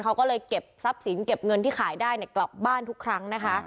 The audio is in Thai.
เขาก็เลยเก็บทรัพย์สินเก็บเงินที่ขายได้กลับบ้านทุกครั้งนะคะ